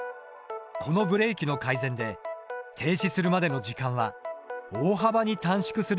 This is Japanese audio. このブレーキの改善で停止するまでの時間は大幅に短縮することができたという。